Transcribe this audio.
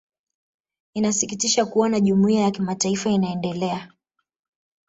inasikitisha kuona jumuiya ya kimataifa inaendelea